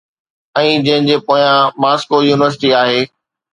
۽ جنهن جي پويان ماسڪو يونيورسٽي آهي.